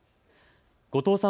後藤さん